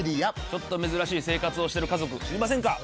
ちょっと珍しい生活をしてる家族知りませんか？